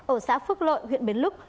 ở xã phước lội huyện bến lức